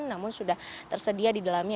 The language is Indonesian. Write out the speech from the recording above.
namun sudah tersedia di dalamnya